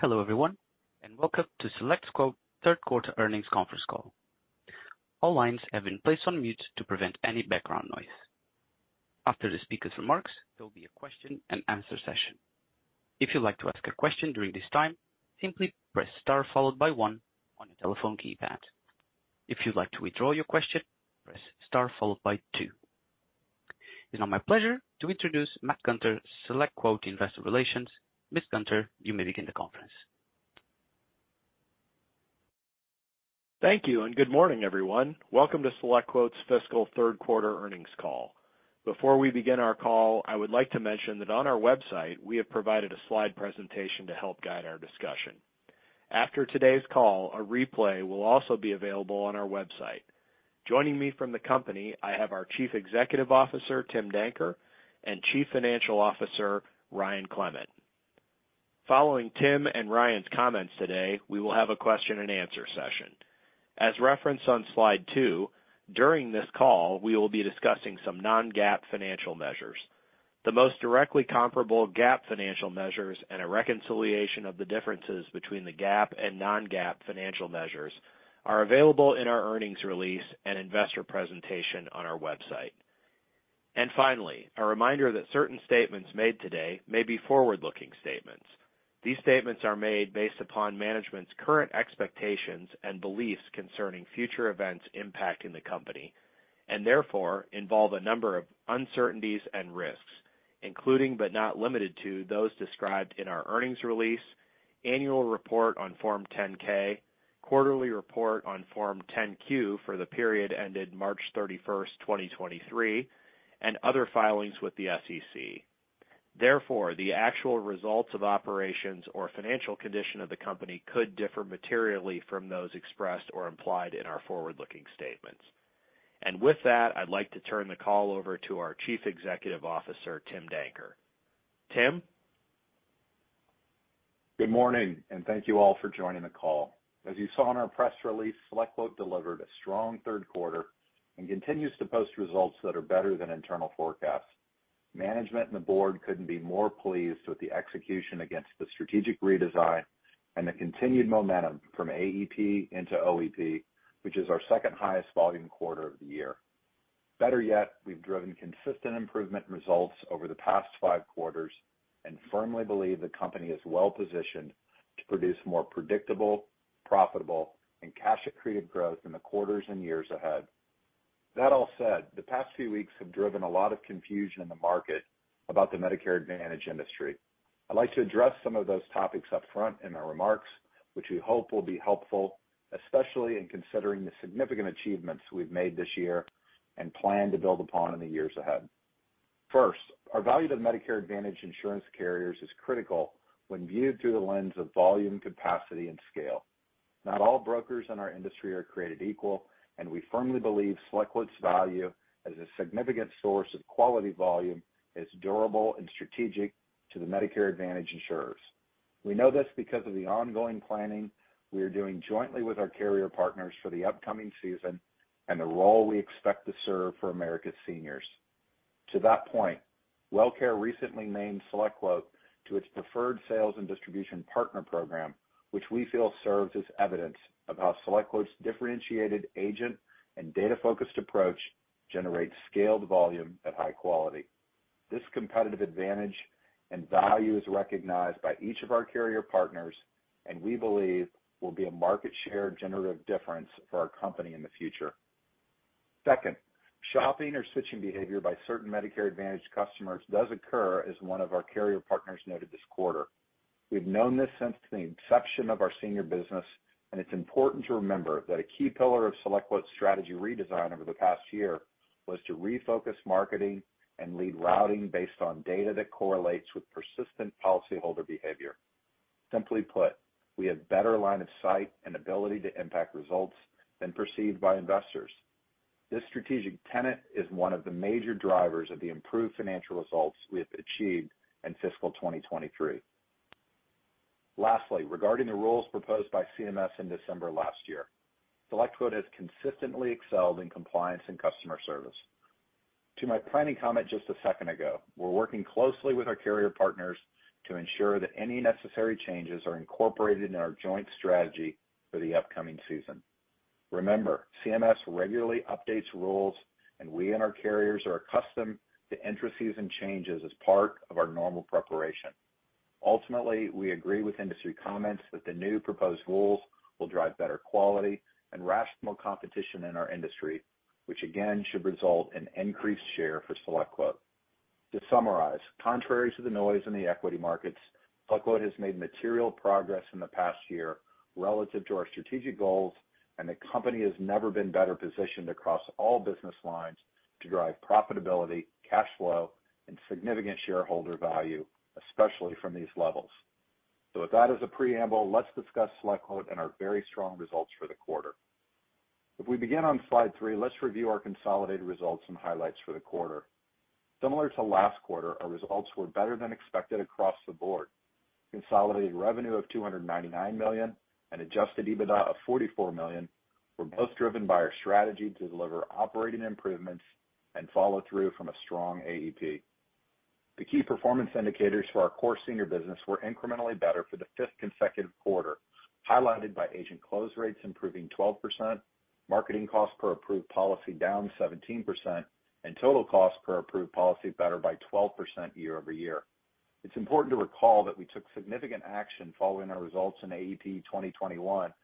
Hello everyone, and welcome to SelectQuote third quarter earnings conference call. All lines have been placed on mute to prevent any background noise. After the speaker's remarks, there'll be a question-and-answer session. If you'd like to ask a question during this time, simply press star followed by one on your telephone keypad. If you'd like to withdraw your question, press star followed by two. It's now my pleasure to introduce Matt Gunter, SelectQuote Investor Relations. Mr. Gunter, you may begin the conference. Thank you, and good morning, everyone. Welcome to SelectQuote's fiscal third quarter earnings call. Before we begin our call, I would like to mention that on our website, we have provided a slide presentation to help guide our discussion. After today's call, a replay will also be available on our website. Joining me from the company, I have our Chief Executive Officer, Tim Danker, and Chief Financial Officer, Ryan Clement. Following Tim and Ryan's comments today, we will have a question-and-answer session. As referenced on slide two, during this call, we will be discussing some non-GAAP financial measures. The most directly comparable GAAP financial measures and a reconciliation of the differences between the GAAP and non-GAAP financial measures are available in our earnings release and investor presentation on our website. Finally, a reminder that certain statements made today may be forward-looking statements. These statements are made based upon management's current expectations and beliefs concerning future events impacting the company, and therefore involve a number of uncertainties and risks, including but not limited to those described in our earnings release, annual report on Form 10-K, quarterly report on Form 10-Q for the period ended March 31st, 2023, and other filings with the SEC. Therefore, the actual results of operations or financial condition of the company could differ materially from those expressed or implied in our forward-looking statements. With that, I'd like to turn the call over to our Chief Executive Officer, Tim Danker. Tim? Good morning. Thank you all for joining the call. As you saw in our press release, SelectQuote delivered a strong third quarter and continues to post results that are better than internal forecasts. Management and the board couldn't be more pleased with the execution against the strategic redesign and the continued momentum from AEP into OEP, which is our second-highest volume quarter of the year. Better yet, we've driven consistent improvement results over the past five quarters and firmly believe the company is well-positioned to produce more predictable, profitable, and cash-accretive growth in the quarters and years ahead. All said, the past few weeks have driven a lot of confusion in the market about the Medicare Advantage industry. I'd like to address some of those topics up front in our remarks, which we hope will be helpful, especially in considering the significant achievements we've made this year and plan to build upon in the years ahead. Our value to the Medicare Advantage insurance carriers is critical when viewed through the lens of volume, capacity, and scale. Not all brokers in our industry are created equal, and we firmly believe SelectQuote's value as a significant source of quality volume is durable and strategic to the Medicare Advantage insurers. We know this because of the ongoing planning we are doing jointly with our carrier partners for the upcoming season and the role we expect to serve for America's seniors. To that point, Wellcare recently named SelectQuote to its preferred sales and distribution partner program, which we feel serves as evidence of how SelectQuote's differentiated agent and data-focused approach generates scaled volume at high quality. This competitive advantage and value is recognized by each of our carrier partners, and we believe will be a market share generative difference for our company in the future. Second, shopping or switching behavior by certain Medicare Advantage customers does occur, as one of our carrier partners noted this quarter. We've known this since the inception of our senior business, and it's important to remember that a key pillar of SelectQuote's strategy redesign over the past year was to refocus marketing and lead routing based on data that correlates with persistent policyholder behavior. Simply put, we have better line of sight and ability to impact results than perceived by investors. This strategic tenet is one of the major drivers of the improved financial results we have achieved in fiscal 2023. Regarding the rules proposed by CMS in December last year, SelectQuote has consistently excelled in compliance and customer service. To my planning comment just a second ago, we're working closely with our carrier partners to ensure that any necessary changes are incorporated in our joint strategy for the upcoming season. CMS regularly updates rules, and we and our carriers are accustomed to intra-season changes as part of our normal preparation. We agree with industry comments that the new proposed rules will drive better quality and rational competition in our industry, which again should result in increased share for SelectQuote. To summarize, contrary to the noise in the equity markets, SelectQuote has made material progress in the past year relative to our strategic goals, and the company has never been better positioned across all business lines to drive profitability, cash flow, and significant shareholder value, especially from these levels. With that as a preamble, let's discuss SelectQuote and our very strong results for the quarter. If we begin on Slide 3, let's review our consolidated results and highlights for the quarter. Similar to last quarter, our results were better than expected across the board. Consolidated revenue of $299 million and Adjusted EBITDA of $44 million. We're both driven by our strategy to deliver operating improvements and follow through from a strong AEP. The key performance indicators for our core senior business were incrementally better for the fifth consecutive quarter, highlighted by agent close rates improving 12%, marketing costs per approved policy down 17%, and total cost per approved policy better by 12% year-over-year. It's important to recall that we took significant action following our results in AEP 2021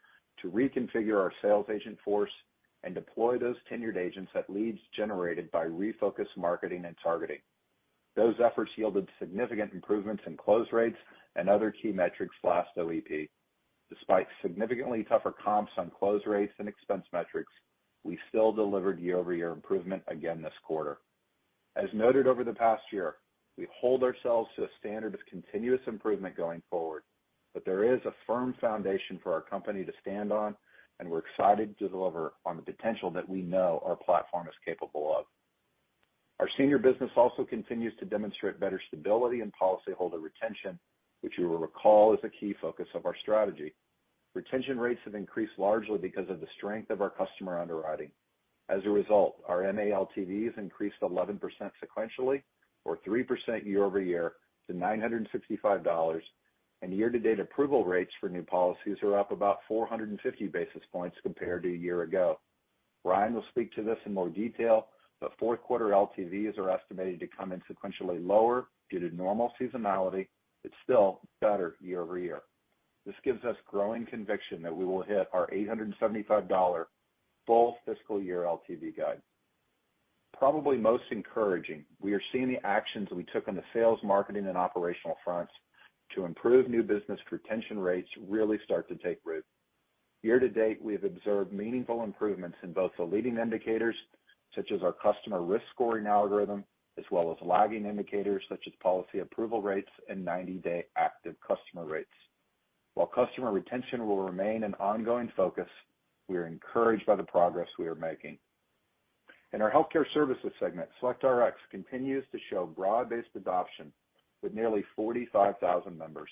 to reconfigure our sales agent force and deploy those tenured agents at leads generated by refocused marketing and targeting. Those efforts yielded significant improvements in close rates and other key metrics last OEP. Despite significantly tougher comps on close rates and expense metrics, we still delivered year-over-year improvement again this quarter. As noted over the past year, we hold ourselves to a standard of continuous improvement going forward. There is a firm foundation for our company to stand on. We're excited to deliver on the potential that we know our platform is capable of. Our senior business also continues to demonstrate better stability and policyholder retention, which you will recall is a key focus of our strategy. Retention rates have increased largely because of the strength of our customer underwriting. As a result, our MA LTVs increased 11% sequentially, or 3% year-over-year to $965. Year-to-date approval rates for new policies are up about 450 basis points compared to a year ago. Ryan will speak to this in more detail. Fourth quarter LTVs are estimated to come in sequentially lower due to normal seasonality, but still better year-over-year. This gives us growing conviction that we will hit our $875 full fiscal year LTV guide. Probably most encouraging, we are seeing the actions we took on the sales, marketing, and operational fronts to improve new business retention rates really start to take root. Year to date, we have observed meaningful improvements in both the leading indicators, such as our customer risk scoring algorithm, as well as lagging indicators such as policy approval rates and 90-day active customer rates. While customer retention will remain an ongoing focus, we are encouraged by the progress we are making. In our Healthcare Services segment, SelectRx continues to show broad-based adoption with nearly 45,000 members.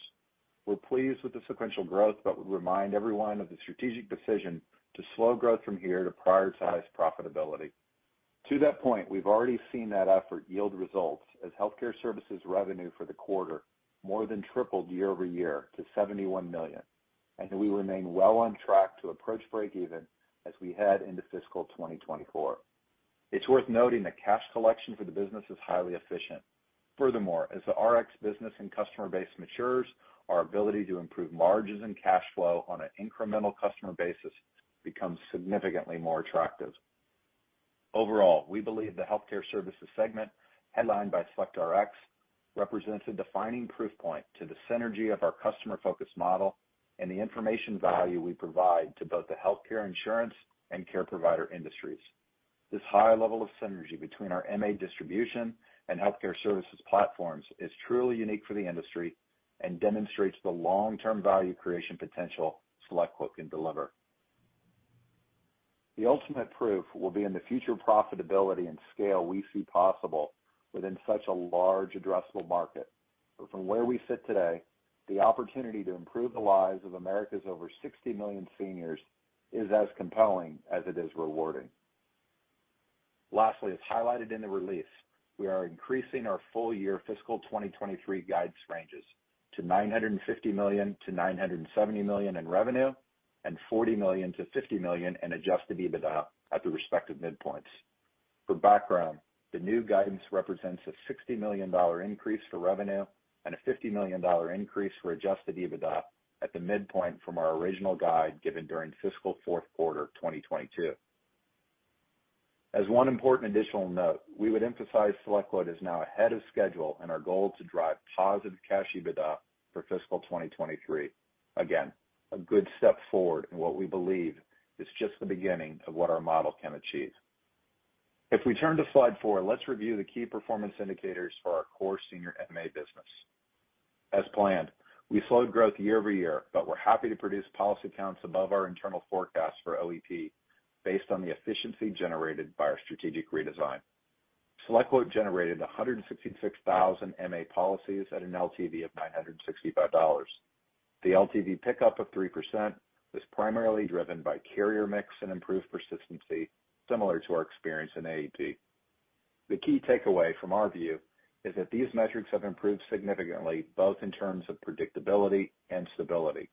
We're pleased with the sequential growth, but we remind everyone of the strategic decision to slow growth from here to prioritize profitability. To that point, we've already seen that effort yield results as healthcare services revenue for the quarter more than tripled year-over-year to $71 million, and we remain well on track to approach break even as we head into fiscal 2024. It's worth noting that cash collection for the business is highly efficient. Furthermore, as the Rx business and customer base matures, our ability to improve margins and cash flow on an incremental customer basis becomes significantly more attractive. Overall, we believe the Healthcare Services segment, headlined by SelectRx, represents a defining proof point to the synergy of our customer-focused model and the information value we provide to both the healthcare insurance and care provider industries. This high level of synergy between our MA distribution and healthcare services platforms is truly unique for the industry and demonstrates the long-term value creation potential SelectQuote can deliver. The ultimate proof will be in the future profitability and scale we see possible within such a large addressable market. From where we sit today, the opportunity to improve the lives of America's over 60 million seniors is as compelling as it is rewarding. Lastly, as highlighted in the release, we are increasing our full-year fiscal 2023 guidance ranges to $950 million-$970 million in revenue and $40 million-$50 million in Adjusted EBITDA at the respective midpoints. For background, the new guidance represents a $60 million increase for revenue and a $50 million increase for Adjusted EBITDA at the midpoint from our original guide given during fiscal fourth quarter 2022. As one important additional note, we would emphasize SelectQuote is now ahead of schedule in our goal to drive positive Cash EBITDA for fiscal 2023. A good step forward in what we believe is just the beginning of what our model can achieve. If we turn to Slide 4, let's review the Key Performance Indicators for our core senior MA business. As planned, we slowed growth year-over-year, but we're happy to produce policy counts above our internal forecast for OEP based on the efficiency generated by our strategic redesign. SelectQuote generated 166,000 MA policies at an LTV of $965. The LTV pickup of 3% was primarily driven by carrier mix and improved persistency, similar to our experience in AEP. The key takeaway from our view is that these metrics have improved significantly, both in terms of predictability and stability.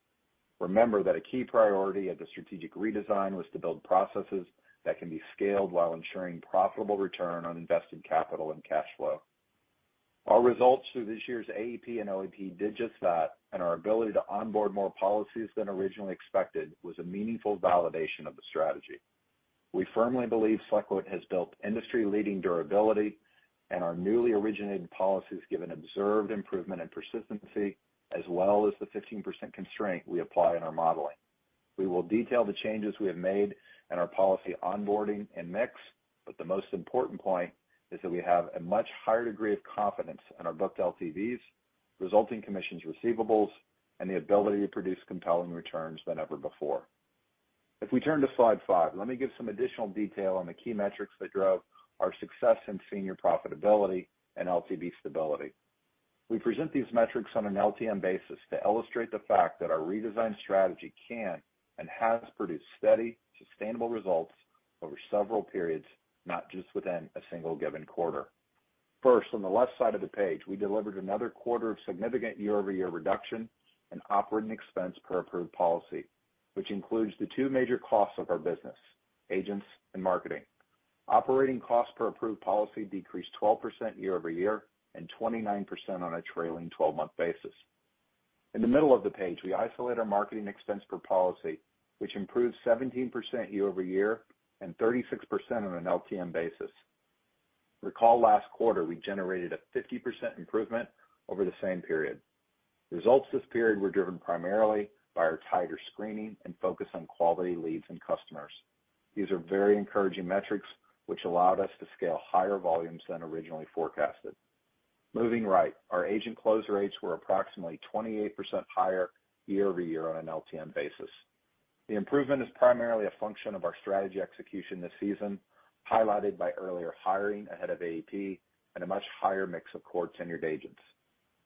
Remember that a key priority of the strategic redesign was to build processes that can be scaled while ensuring profitable return on invested capital and cash flow. Our results through this year's AEP and OEP did just that, and our ability to onboard more policies than originally expected was a meaningful validation of the strategy. We firmly believe SelectQuote has built industry-leading durability, and our newly originated policies give an observed improvement in persistency, as well as the 15% constraint we apply in our modeling. We will detail the changes we have made in our policy onboarding and mix, but the most important point is that we have a much higher degree of confidence in our booked LTVs, resulting commissions receivables, and the ability to produce compelling returns than ever before. If we turn to Slide 5, let me give some additional detail on the key metrics that drove our success in senior profitability and LTV stability. We present these metrics on an LTM basis to illustrate the fact that our redesigned strategy can and has produced steady, sustainable results over several periods, not just within a single given quarter. First, on the left side of the page, we delivered another quarter of significant year-over-year reduction in operating expense per approved policy, which includes the two major costs of our business, agents and marketing. Operating costs per approved policy decreased 12% year-over-year and 29% on a trailing 12-month basis. In the middle of the page, we isolate our marketing expense per policy, which improved 17% year-over-year and 36% on an LTM basis. Recall last quarter, we generated a 50% improvement over the same period. Results this period were driven primarily by our tighter screening and focus on quality leads and customers. These are very encouraging metrics, which allowed us to scale higher volumes than originally forecasted. Moving right, our agent close rates were approximately 28% higher year-over-year on an LTM basis. The improvement is primarily a function of our strategy execution this season, highlighted by earlier hiring ahead of AEP and a much higher mix of core tenured agents.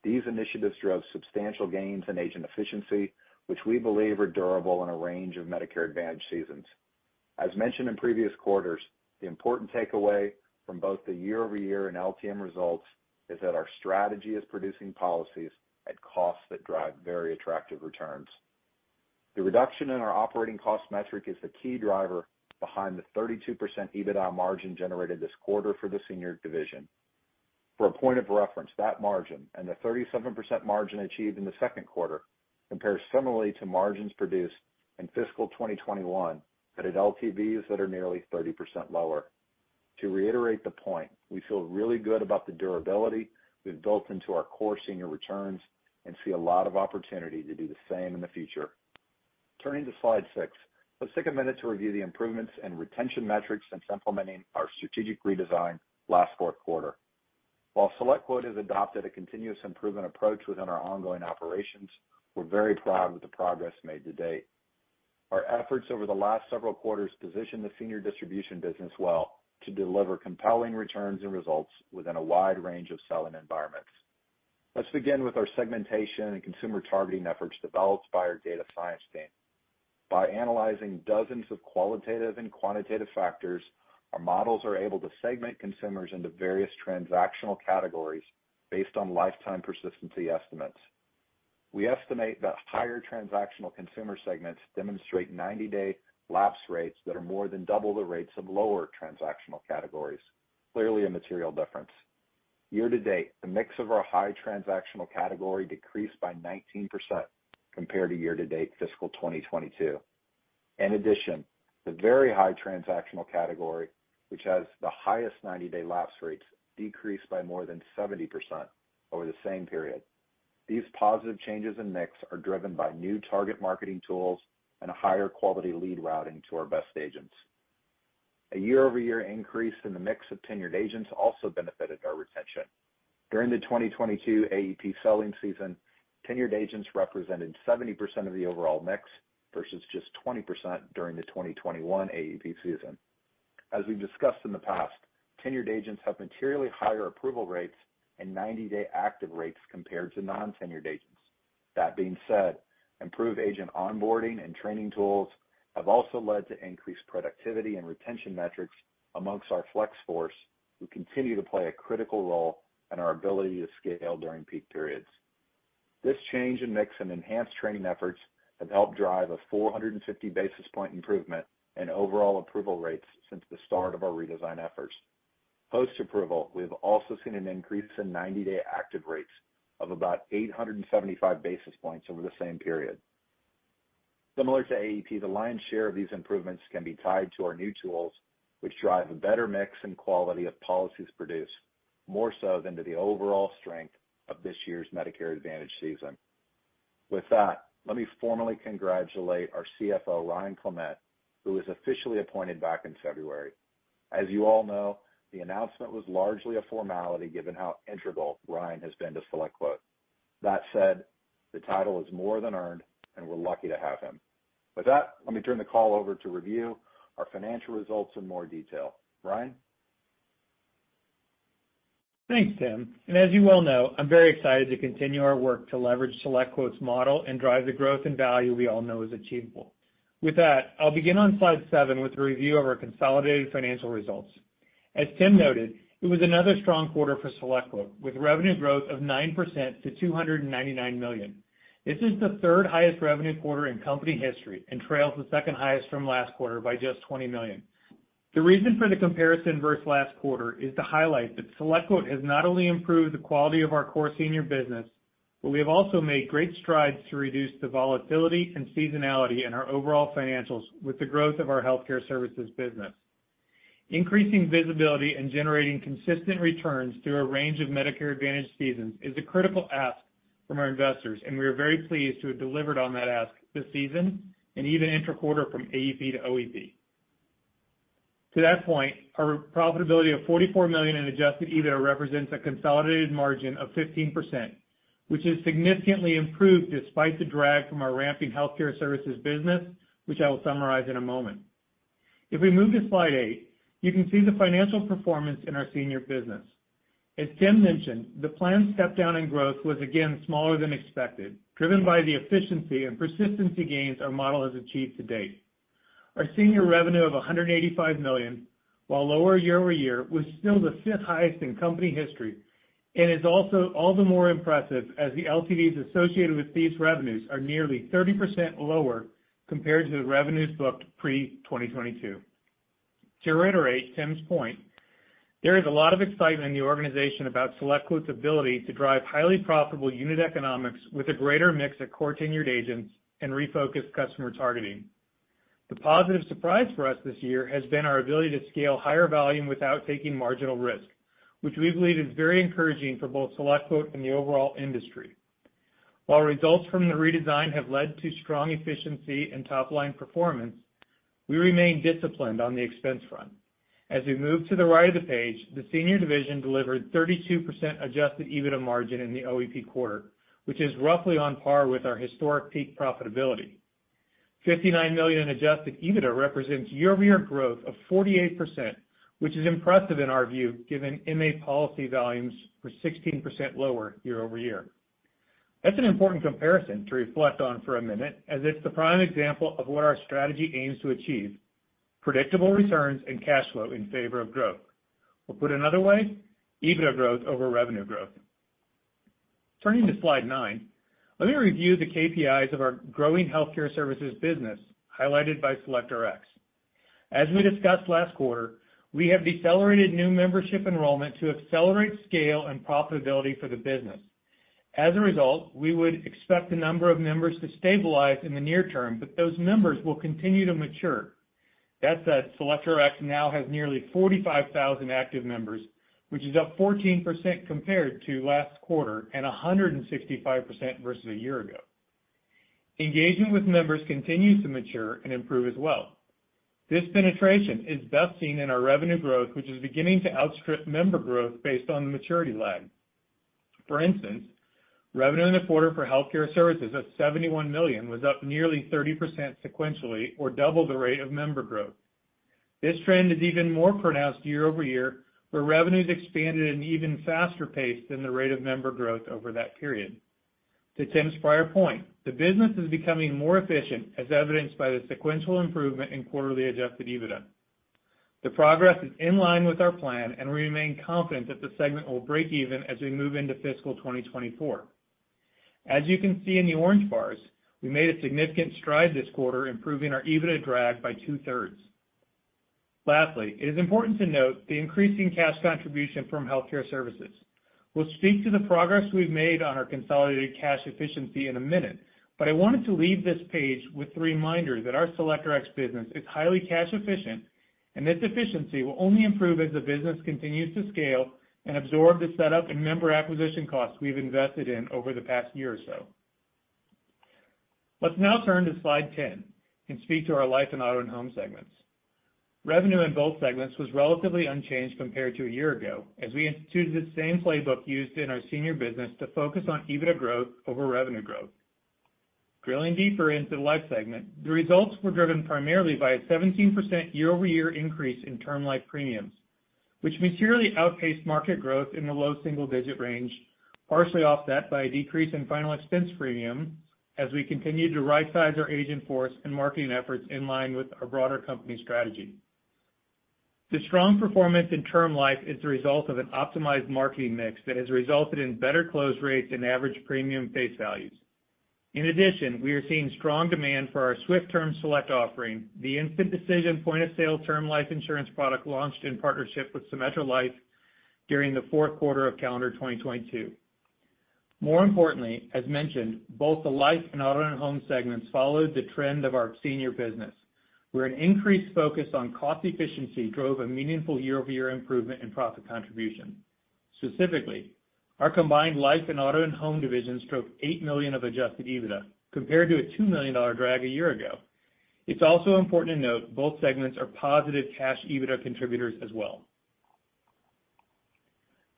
These initiatives drove substantial gains in agent efficiency, which we believe are durable in a range of Medicare Advantage seasons. As mentioned in previous quarters, the important takeaway from both the year-over-year and LTM results is that our strategy is producing policies at costs that drive very attractive returns. The reduction in our operating cost metric is the key driver behind the 32% EBITDA margin generated this quarter for the senior division. For a point of reference, that margin and the 37% margin achieved in the second quarter compares similarly to margins produced in fiscal 2021 but at LTVs that are nearly 30% lower. To reiterate the point, we feel really good about the durability we've built into our core senior returns and see a lot of opportunity to do the same in the future. Turning to Slide 6, let's take a minute to review the improvements in retention metrics since implementing our strategic redesign last fourth quarter. While SelectQuote has adopted a continuous improvement approach within our ongoing operations, we're very proud of the progress made to date. Our efforts over the last several quarters position the senior distribution business well to deliver compelling returns and results within a wide range of selling environments. Let's begin with our segmentation and consumer targeting efforts developed by our data science team. By analyzing dozens of qualitative and quantitative factors, our models are able to segment consumers into various transactional categories based on lifetime persistency estimates. We estimate that higher transactional consumer segments demonstrate 90-day lapse rates that are more than double the rates of lower transactional categories. Clearly a material difference. Year-to-date, the mix of our high transactional category decreased by 19% compared to year-to-date fiscal 2022. The very high transactional category, which has the highest ninety-day lapse rates, decreased by more than 70% over the same period. These positive changes in mix are driven by new target marketing tools and a higher quality lead routing to our best agents. A year-over-year increase in the mix of tenured agents also benefited our retention. During the 2022 AEP selling season, tenured agents represented 70% of the overall mix versus just 20% during the 2021 AEP season. As we've discussed in the past, tenured agents have materially higher approval rates and 90-day active rates compared to non-tenured agents. That being said, improved agent onboarding and training tools have also led to increased productivity and retention metrics amongst our flex force, who continue to play a critical role in our ability to scale during peak periods. This change in mix and enhanced training efforts have helped drive a 450 basis point improvement in overall approval rates since the start of our redesign efforts. Post-approval, we have also seen an increase in 90-day active rates of about 875 basis points over the same period. Similar to AEP, the lion's share of these improvements can be tied to our new tools, which drive a better mix and quality of policies produced, more so than to the overall strength of this year's Medicare Advantage season. With that, let me formally congratulate our CFO, Ryan Clement, who was officially appointed back in February. As you all know, the announcement was largely a formality given how integral Ryan has been to SelectQuote. That said, the title is more than earned, and we're lucky to have him. With that, let me turn the call over to review our financial results in more detail. Ryan? Thanks, Tim. As you well know, I'm very excited to continue our work to leverage SelectQuote's model and drive the growth and value we all know is achievable. With that, I'll begin on Slide 7 with a review of our consolidated financial results. As Tim noted, it was another strong quarter for SelectQuote, with revenue growth of 9% to $299 million. This is the third highest revenue quarter in company history and trails the second highest from last quarter by just $20 million. The reason for the comparison versus last quarter is to highlight that SelectQuote has not only improved the quality of our core senior business, but we have also made great strides to reduce the volatility and seasonality in our overall financials with the growth of our healthcare services business. Increasing visibility and generating consistent returns through a range of Medicare Advantage seasons is a critical ask from our investors, and we are very pleased to have delivered on that ask this season and even intra-quarter from AEP to OEP. To that point, our profitability of $44 million in Adjusted EBITDA represents a consolidated margin of 15%, which has significantly improved despite the drag from our ramping healthcare services business, which I will summarize in a moment. If we move to Slide 8, you can see the financial performance in our senior business. As Tim mentioned, the planned step down in growth was again smaller than expected, driven by the efficiency and persistency gains our model has achieved to date. Our senior revenue of $185 million, while lower year-over-year, was still the fifth highest in company history, and is also all the more impressive as the LTVs associated with these revenues are nearly 30% lower compared to the revenues booked pre-2022. To reiterate Tim's point, there is a lot of excitement in the organization about SelectQuote's ability to drive highly profitable unit economics with a greater mix of core tenured agents and refocused customer targeting. The positive surprise for us this year has been our ability to scale higher volume without taking marginal risk, which we believe is very encouraging for both SelectQuote and the overall industry. While results from the redesign have led to strong efficiency and top-line performance, we remain disciplined on the expense front. As we move to the right of the page, the senior division delivered 32% Adjusted EBITDA margin in the OEP quarter, which is roughly on par with our historic peak profitability. $59 million in Adjusted EBITDA represents year-over-year growth of 48%, which is impressive in our view, given MA policy volumes were 16% lower year-over-year. That's an important comparison to reflect on for a minute, as it's the prime example of what our strategy aims to achieve, predictable returns and cash flow in favor of growth. Put another way, EBITDA growth over revenue growth. Turning to Slide 9, let me review the KPIs of our growing healthcare services business highlighted by SelectRx. As we discussed last quarter, we have decelerated new membership enrollment to accelerate scale and profitability for the business. As a result, we would expect the number of members to stabilize in the near term, but those members will continue to mature. SelectRx now has nearly 45,000 active members, which is up 14% compared to last quarter and 165% versus a year ago. Engagement with members continues to mature and improve as well. This penetration is best seen in our revenue growth, which is beginning to outstrip member growth based on the maturity lag. For instance, revenue in the quarter for healthcare services at $71 million was up nearly 30% sequentially or double the rate of member growth. This trend is even more pronounced year-over-year, where revenues expanded an even faster pace than the rate of member growth over that period. To Tim's prior point, the business is becoming more efficient, as evidenced by the sequential improvement in quarterly Adjusted EBITDA. The progress is in line with our plan, and we remain confident that the segment will break-even as we move into fiscal 2024. As you can see in the orange bars, we made a significant stride this quarter, improving our EBITDA drag by two-thirds. Lastly, it is important to note the increasing cash contribution from healthcare services. We'll speak to the progress we've made on our consolidated cash efficiency in a minute, but I wanted to leave this page with a reminder that our SelectRx business is highly cash efficient, and this efficiency will only improve as the business continues to scale and absorb the setup and member acquisition costs we've invested in over the past year or so. Let's now turn to Slide 10 and speak to our life and Auto and Home segments. Revenue in both segments was relatively unchanged compared to a year ago, as we instituted the same playbook used in our senior business to focus on EBITDA growth over revenue growth. Drilling deeper into the Life segment, the results were driven primarily by a 17% year-over-year increase in term life premiums, which materially outpaced market growth in the low single-digit range, partially offset by a decrease in final expense premium as we continued to rightsize our agent force and marketing efforts in line with our broader company strategy. The strong performance in term life is the result of an optimized marketing mix that has resulted in better close rates and average premium face values. In addition, we are seeing strong demand for our SwiftTerm Select offering, the instant decision point-of-sale term life insurance product launched in partnership with Symetra Life during the fourth quarter of calendar 2022. More importantly, as mentioned, both the Life and Auto and Home segments followed the trend of our senior business, where an increased focus on cost efficiency drove a meaningful year-over-year improvement in profit contribution. Specifically, our combined life and auto and home divisions drove $8 million of Adjusted EBITDA compared to a $2 million drag a year ago. It's also important to note both segments are positive Cash EBITDA contributors as well.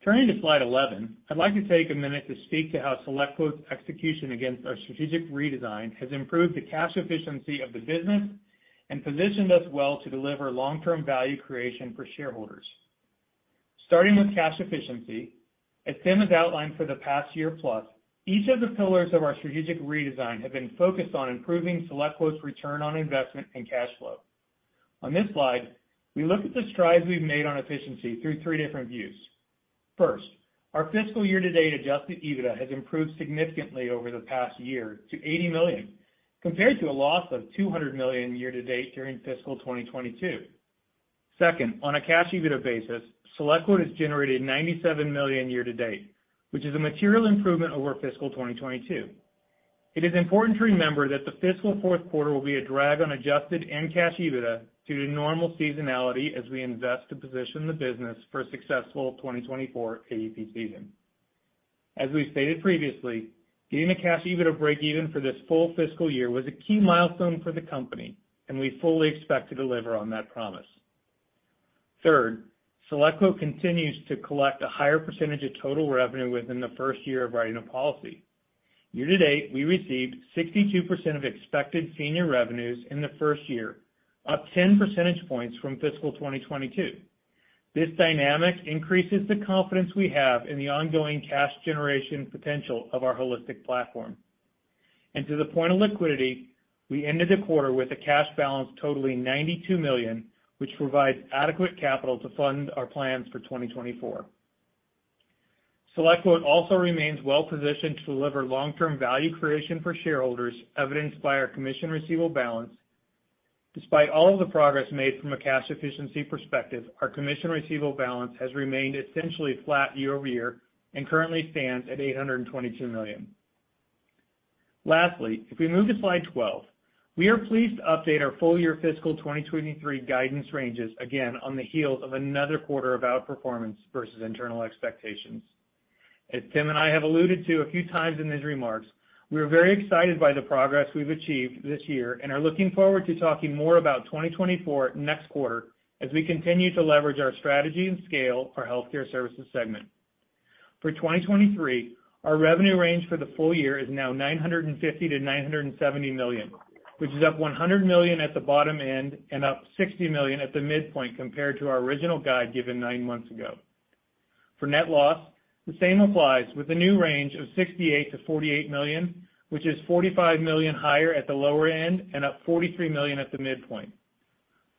Turning to Slide 11, I'd like to take a minute to speak to how SelectQuote's execution against our strategic redesign has improved the cash efficiency of the business and positioned us well to deliver long-term value creation for shareholders. Starting with cash efficiency, as Tim has outlined for the past year plus, each of the pillars of our strategic redesign have been focused on improving SelectQuote's return on investment and cash flow. On this slide, we look at the strides we've made on efficiency through three different views. First, our fiscal year to date Adjusted EBITDA has improved significantly over the past year to $80 million, compared to a loss of $200 million year to date during fiscal 2022. Second, on a Cash EBITDA basis, SelectQuote has generated $97 million year to date, which is a material improvement over fiscal 2022. It is important to remember that the fiscal fourth quarter will be a drag on Adjusted and Cash EBITDA due to normal seasonality as we invest to position the business for a successful 2024 AEP season. As we've stated previously, getting a Cash EBITDA break-even for this full fiscal year was a key milestone for the company, and we fully expect to deliver on that promise. Third, SelectQuote continues to collect a higher percentage of total revenue within the first year of writing a policy. Year-to-date, we received 62% of expected senior revenues in the first year, up 10 percentage points from fiscal 2022. This dynamic increases the confidence we have in the ongoing cash generation potential of our holistic platform. To the point of liquidity, we ended the quarter with a cash balance totaling $92 million, which provides adequate capital to fund our plans for 2024. SelectQuote also remains well positioned to deliver long-term value creation for shareholders, evidenced by our commission receivable balance. Despite all of the progress made from a cash efficiency perspective, our commission receivable balance has remained essentially flat year-over-year and currently stands at $822 million. Lastly, if we move to Slide 12, we are pleased to update our full year fiscal 2023 guidance ranges again on the heels of another quarter of outperformance versus internal expectations. As Tim and I have alluded to a few times in these remarks, we are very excited by the progress we've achieved this year and are looking forward to talking more about 2024 next quarter as we continue to leverage our strategy and scale our Healthcare Services segment. For 2023, our revenue range for the full year is now $950 million-$970 million, which is up $100 million at the bottom end and up $60 million at the midpoint compared to our original guide given nine months ago. For net loss, the same applies with a new range of $68 million-$48 million, which is $45 million higher at the lower end and up $43 million at the midpoint.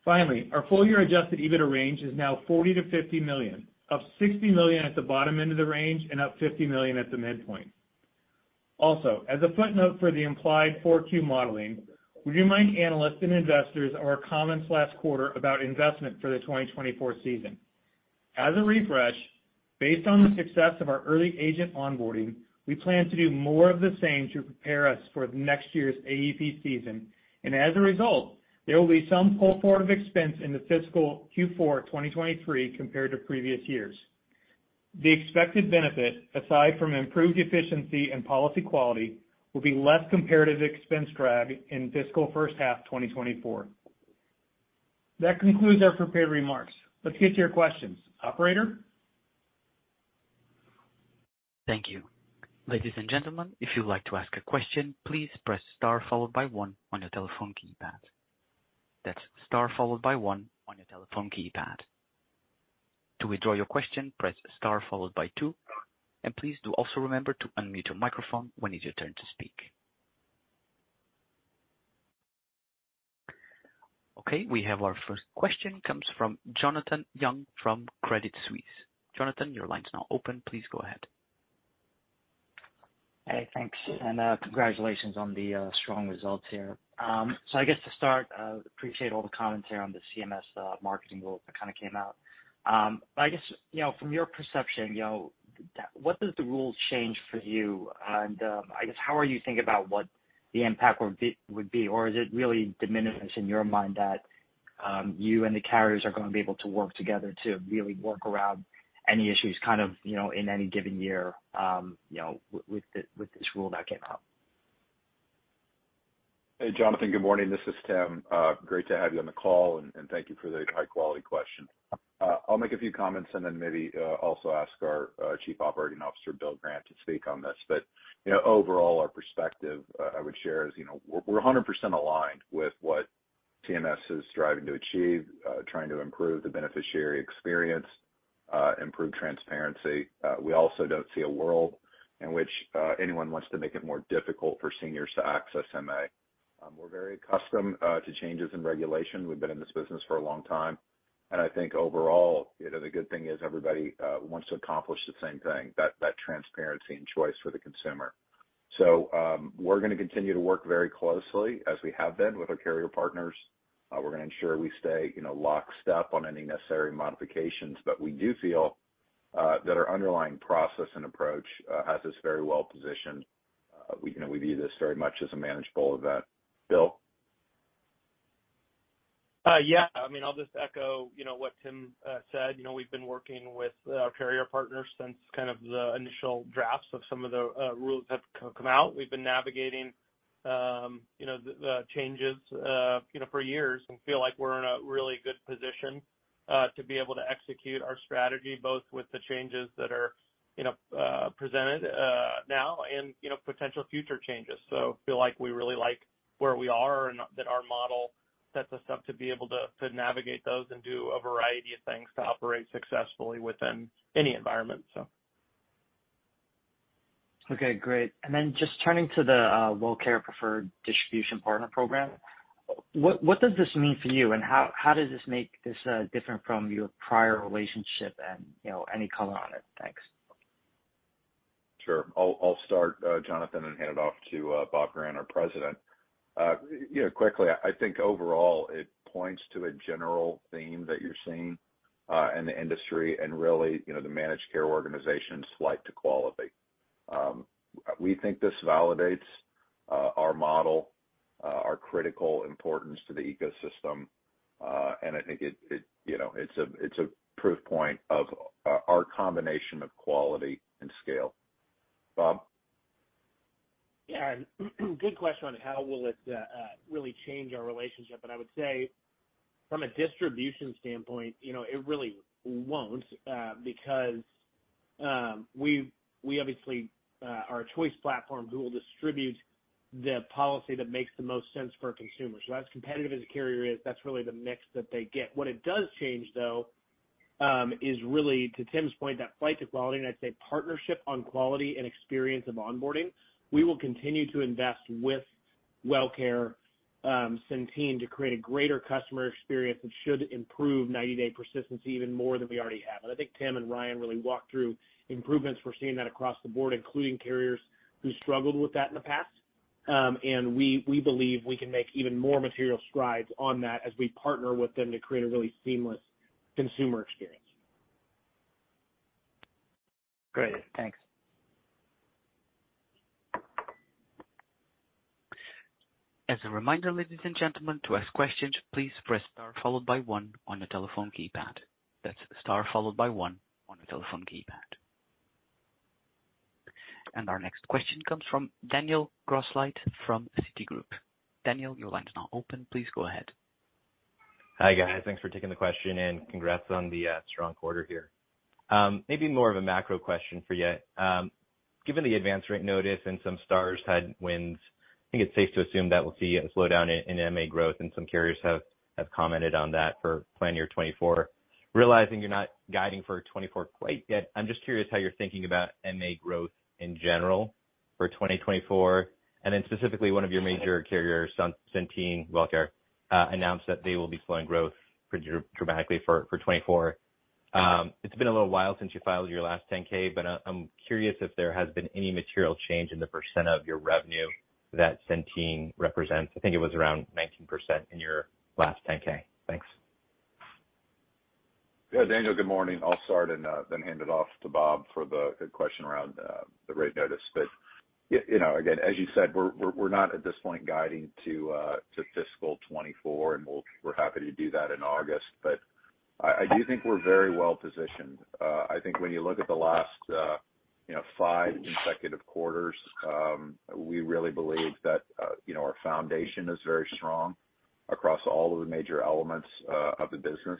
Finally, our full year Adjusted EBITDA range is now $40 million-$50 million, up $60 million at the bottom end of the range and up $50 million at the midpoint. Also, as a footnote for the implied 4Q modeling, we remind analysts and investors of our comments last quarter about investment for the 2024 season. As a refresh, based on the success of our early agent onboarding, we plan to do more of the same to prepare us for next year's AEP season. As a result, there will be some pull forward of expense in the fiscal Q4 2023 compared to previous years. The expected benefit, aside from improved efficiency and policy quality, will be less comparative expense drag in fiscal first half 2024. That concludes our prepared remarks. Let's get to your questions. Operator? Thank you. Ladies and gentlemen, if you'd like to ask a question, please press star followed by one on your telephone keypad. That's star followed by one on your telephone keypad. To withdraw your question, press star followed by two, and please do also remember to unmute your microphone when it is your turn to speak. Okay, we have our first question, comes from Jonathan Yong from Credit Suisse. Jonathan, your line's now open. Please go ahead. Hey, thanks, congratulations on the strong results here. I guess to start, appreciate all the comments here on the CMS marketing rules that kind of came out. I guess, you know, from your perception, you know, what does the rules change for you? I guess how are you thinking about what the impact would be, or is it really diminished in your mind that you and the carriers are gonna be able to work together to really work around any issues kind of, you know, in any given year, you know, with this rule that came out? Hey, Jonathan. Good morning. This is Tim. Great to have you on the call, and thank you for the high-quality question. I'll make a few comments and then maybe also ask our Chief Operating Officer, Bill Grant, to speak on this. You know, overall, our perspective, I would share is, you know, we're 100% aligned with what CMS is striving to achieve, trying to improve the beneficiary experience, improve transparency. We also don't see a world in which anyone wants to make it more difficult for seniors to access MA. We're very accustomed to changes in regulation. We've been in this business for a long time. I think overall, you know, the good thing is everybody wants to accomplish the same thing, that transparency and choice for the consumer. We're gonna continue to work very closely as we have been with our carrier partners. We're gonna ensure we stay, you know, lockstep on any necessary modifications. We do feel that our underlying process and approach has us very well positioned. We, you know, we view this very much as a manageable event. Bill? Yeah, I mean, I'll just echo, you know, what Tim said. You know, we've been working with our carrier partners since kind of the initial drafts of some of the rules have come out. We've been navigating, you know, the changes, you know, for years and feel like we're in a really good position to be able to execute our strategy, both with the changes that are, you know, presented now and, you know, potential future changes. Feel like we really like where we are and that our model sets us up to be able to navigate those and do a variety of things to operate successfully within any environment, so. Okay, great. Just turning to the Wellcare preferred distribution partner program. What does this mean for you, and how does this make this different from your prior relationship and, you know, any color on it? Thanks. Sure. I'll start, Jonathan, and hand it off to Bob Grant, our President. You know, quickly, I think overall it points to a general theme that you're seeing in the industry and really, you know, the managed care organizations' flight to quality. We think this validates our model, our critical importance to the ecosystem. I think it, you know, it's a proof point of our combination of quality and scale. Bob? Yeah. Good question on how will it really change our relationship. I would say from a distribution standpoint, you know, it really won't because we obviously, are a choice platform who will distribute the policy that makes the most sense for a consumer. As competitive as a carrier is, that's really the mix that they get. What it does change, though, is really, to Tim's point, that flight to quality, and I'd say partnership on quality and experience of onboarding, we will continue to invest with Wellcare, Centene to create a greater customer experience that should improve 90-day persistence even more than we already have. I think Tim and Ryan really walked through improvements. We're seeing that across the board, including carriers who struggled with that in the past. We, we believe we can make even more material strides on that as we partner with them to create a really seamless consumer experience. Great. Thanks. As a reminder, ladies and gentlemen, to ask questions, please press Star followed by one on your telephone keypad. That's star followed by one on your telephone keypad. Our next question comes from Daniel Grosslight from Citigroup. Daniel, your line is now open. Please go ahead. Hi, guys. Thanks for taking the question, and congrats on the strong quarter here. Maybe more of a macro question for you. Given the advance rate notice and some Stars headwinds, I think it's safe to assume that we'll see a slowdown in MA growth, and some carriers have commented on that for plan year 2024. Realizing you're not guiding for 2024 quite yet, I'm just curious how you're thinking about MA growth in general for 2024. Specifically, one of your major carriers, Centene, Wellcare, announced that they will be slowing growth pretty dramatically for 2024. It's been a little while since you filed your last 10-K, but I'm curious if there has been any material change in the percent of your revenue that Centene represents. I think it was around 19% in your last 10-K. Thanks. Yeah. Daniel, good morning. I'll start and then hand it off to Bob for the good question around the rate notice. You know, again, as you said, we're not at this point guiding to fiscal 2024, and we're happy to do that in August. I do think we're very well positioned. I think when you look at the last, you know, five consecutive quarters, we really believe that, you know, our foundation is very strong across all of the major elements of the business.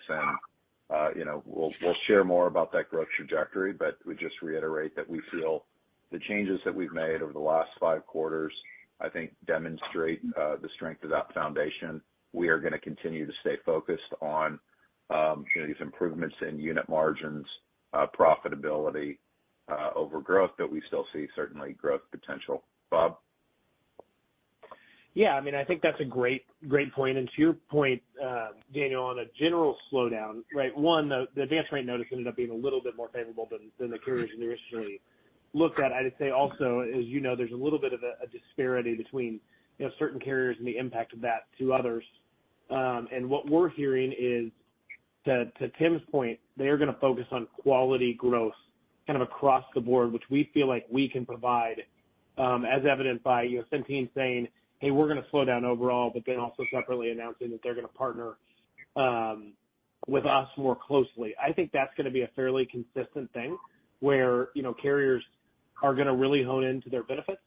You know, we'll share more about that growth trajectory, but we just reiterate that we feel the changes that we've made over the last five quarters, I think demonstrate the strength of that foundation. We are gonna continue to stay focused on, you know, these improvements in unit margins, profitability, over growth, but we still see certainly growth potential. Bob? Yeah. I mean, I think that's a great point. To your point, Daniel, on a general slowdown, right? One, the advance rate notice ended up being a little bit more favorable than the carriers initially looked at. I'd say also, as you know, there's a little bit of a disparity between, you know, certain carriers and the impact of that to others. What we're hearing is that to Tim's point, they are gonna focus on quality growth kind of across the board, which we feel like we can provide, as evidenced by, you know, Centene saying, "Hey, we're gonna slow down overall," also separately announcing that they're gonna partner with us more closely. I think that's gonna be a fairly consistent thing where, you know, carriers are gonna really hone into their benefits.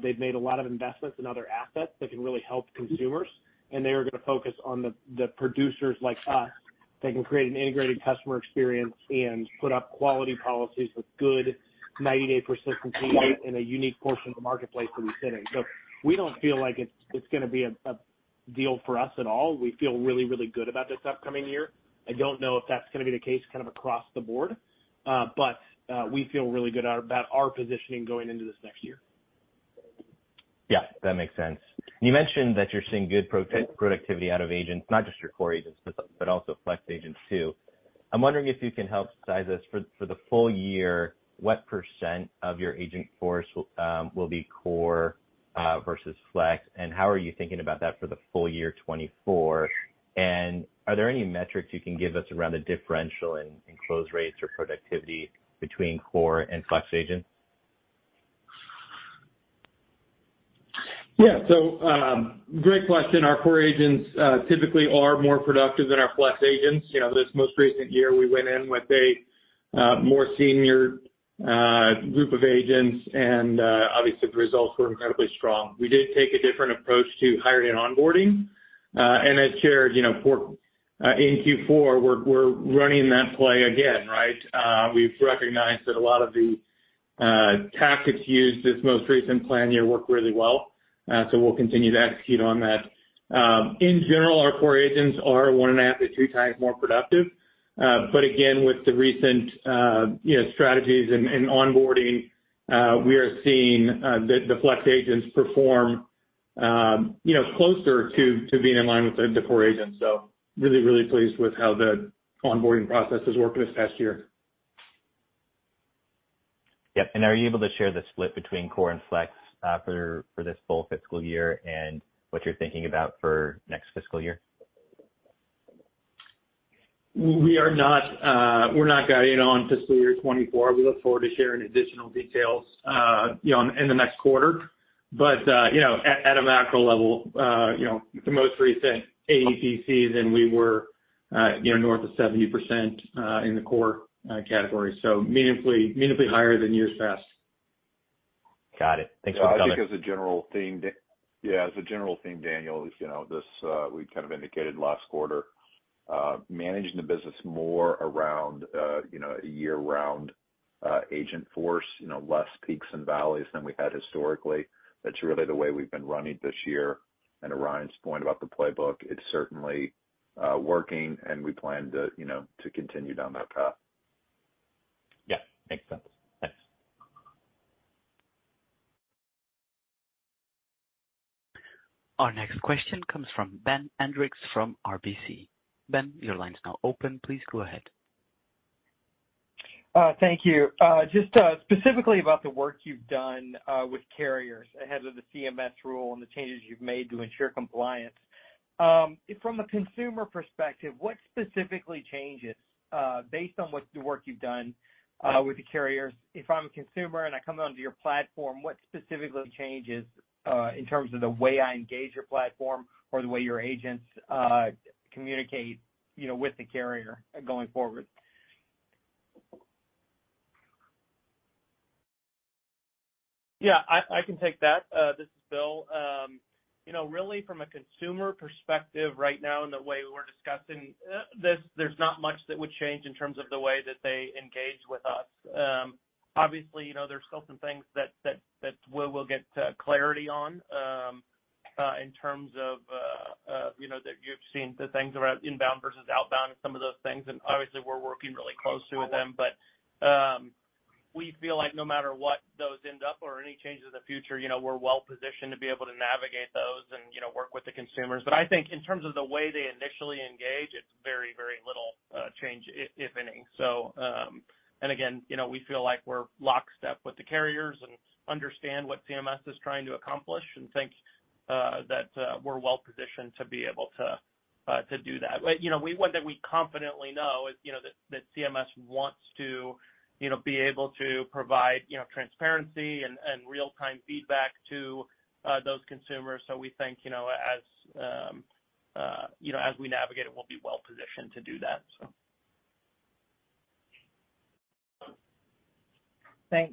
They've made a lot of investments in other assets that can really help consumers, and they are gonna focus on the producers like us that can create an integrated customer experience and put up quality policies with good 90-day persistency in a unique portion of the marketplace that we sit in. We don't feel like it's gonna be a deal for us at all. We feel really good about this upcoming year. I don't know if that's gonna be the case kind of across the board, but we feel really good about our positioning going into this next year. Yeah, that makes sense. You mentioned that you're seeing good productivity out of agents, not just your core agents, but also flex agents too. I'm wondering if you can help size us for the full year, what percent of your agent force will be core versus flex, and how are you thinking about that for the full year 2024? Are there any metrics you can give us around the differential in close rates or productivity between core and flex agents? Yeah. Great question. Our core agents typically are more productive than our flex agents. You know, this most recent year, we went in with a more senior group of agents, and obviously the results were incredibly strong. We did take a different approach to hiring and onboarding, and as shared, you know, for in Q4, we're running that play again, right? We've recognized that a lot of the tactics used this most recent plan year worked really well, so we'll continue to execute on that. In general, our core agents are one and a half to two times more productive. But again, with the recent, you know, strategies and onboarding, we are seeing the flex agents perform, you know, closer to being in line with the core agents. Really, really pleased with how the onboarding process has worked this past year. Yep. are you able to share the split between core and flex for this full fiscal year and what you're thinking about for next fiscal year? We're not guiding on fiscal year 2024. We look forward to sharing additional details, you know, in the next quarter. You know, at a macro level, you know, the most recent AEP than we were you know, north of 70%, in the core, category, so meaningfully higher than year's best. Got it. Thanks for. I think as a general theme, Yeah, as a general theme, Daniel, as you know, this, we kind of indicated last quarter, managing the business more around, you know, a year-round agent force, you know, less peaks and valleys than we had historically. That's really the way we've been running this year. To Ryan's point about the playbook, it's certainly working, and we plan to, you know, to continue down that path. Yeah, makes sense. Thanks. Our next question comes from Ben Hendrix from RBC. Ben, your line is now open. Please go ahead. Thank you. Just specifically about the work you've done with carriers ahead of the CMS rule and the changes you've made to ensure compliance. From a consumer perspective, what specifically changes, based on what's the work you've done with the carriers? If I'm a consumer and I come onto your platform, what specifically changes in terms of the way I engage your platform or the way your agents communicate, you know, with the carrier going forward? Yeah, I can take that. This is Bill. You know, really from a consumer perspective right now in the way we're discussing, this, there's not much that would change in terms of the way that they engage with us. Obviously, you know, there's still some things that we will get clarity on, in terms of, you know, that you've seen the things around inbound versus outbound and some of those things, and obviously we're working really closely with them. We feel like no matter what those end up or any changes in the future, you know, we're well-positioned to be able to navigate those and, you know, work with the consumers. I think in terms of the way they initially engage, it's very little change if any. And again, you know, we feel like we're lockstep with the carriers and understand what CMS is trying to accomplish, and think that we're well-positioned to be able to do that. You know, one that we confidently know is, you know, that CMS wants to, you know, be able to provide, you know, transparency and real-time feedback to those consumers. We think, you know, as, you know, as we navigate it, we'll be well-positioned to do that, so. Thanks.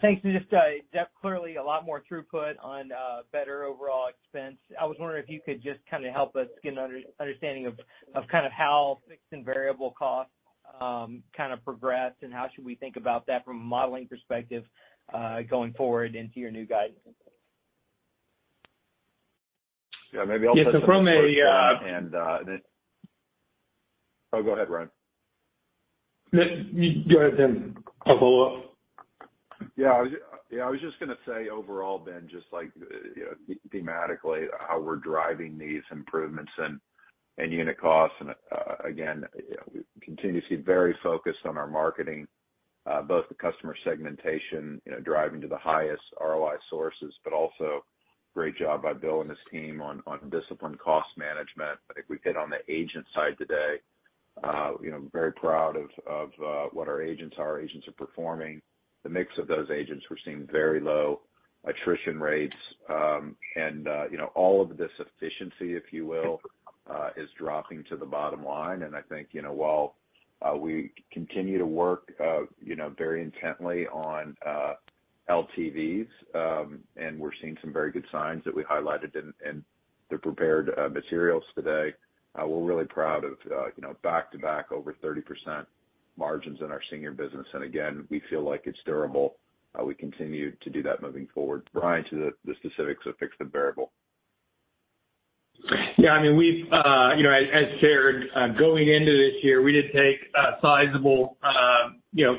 Thanks. Just, clearly a lot more throughput on, better overall expense. I was wondering if you could just kinda help us get an understanding of kind of how fixed and variable costs, kind of progressed, and how should we think about that from a modeling perspective, going forward into your new guidance? Yeah, maybe I'll. Oh, go ahead, Ryan. Go ahead, Tim. I'll follow up. I was just gonna say overall, Ben, just like, you know, thematically how we're driving these improvements in unit costs. Again, you know, we continue to see very focused on our marketing, both the customer segmentation, you know, driving to the highest ROI sources, but also great job by Bill and his team on disciplined cost management. I think we've hit on the agent side today, you know, very proud of what our agents are. Our agents are performing. The mix of those agents, we're seeing very low attrition rates. And, you know, all of this efficiency, if you will, is dropping to the bottom line. I think, you know, while we continue to work, you know, very intently on LTVs, and we're seeing some very good signs that we highlighted in the prepared materials today. We're really proud of, you know, back-to-back over 30% margins in our senior business. Again, we feel like it's durable, we continue to do that moving forward. Ryan, to the specifics of fixed and variable. Yeah, I mean, we've, you know, as shared, going into this year, we did take a sizable, you know,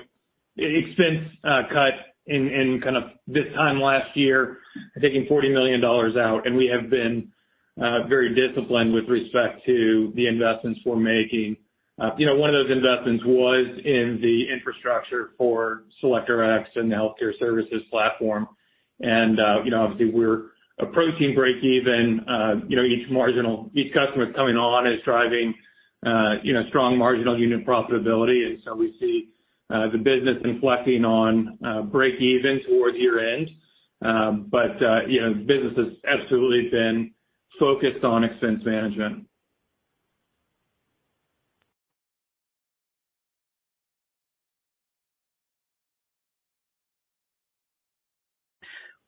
expense, cut in kind of this time last year, taking $40 million out, and we have been very disciplined with respect to the investments we're making. You know, one of those investments was in the infrastructure for SelectRx and the healthcare services platform. You know, obviously we're approaching break even, you know, each customer coming on is driving, you know, strong marginal unit profitability. We see the business inflecting on breakeven towards year-end. You know, the business has absolutely been focused on expense management.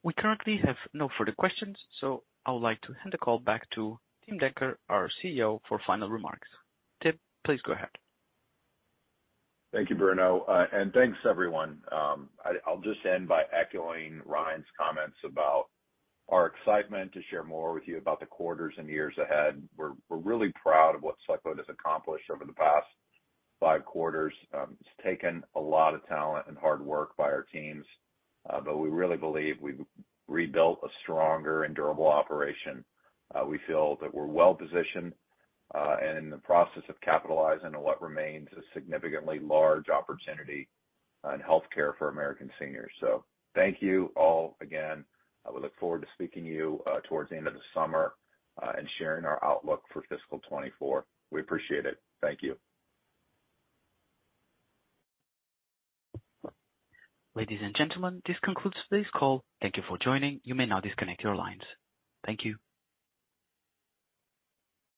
We currently have no further questions. I would like to hand the call back to Tim Danker, our CEO, for final remarks. Tim, please go ahead. Thank you, Bruno. Thanks, everyone. I'll just end by echoing Ryan's comments about our excitement to share more with you about the quarters and years ahead. We're really proud of what SelectQuote has accomplished over the past five quarters. It's taken a lot of talent and hard work by our teams, we really believe we've rebuilt a stronger and durable operation. We feel that we're well-positioned, in the process of capitalizing on what remains a significantly large opportunity, in healthcare for American seniors. Thank you all again. I look forward to speaking to you towards the end of the summer, and sharing our outlook for fiscal 2024. We appreciate it. Thank you. Ladies and gentlemen, this concludes today's call. Thank you for joining. You may now disconnect your lines. Thank you.